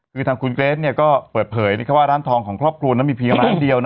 คือทางคุณเกรทก็เปิดเผยว่าร้านทองของครอบครัวนั้นมีเพียงร้านเดียว